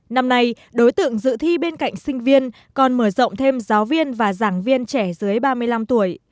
năm nay đối tượng dự thi bên cạnh sinh viên còn mở rộng thêm giáo viên và giảng viên trẻ dưới ba mươi năm tuổi